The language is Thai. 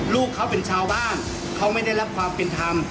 ลูกเขาเป็นชาวบ้านเขาไม่ได้รับความเป็นธรรม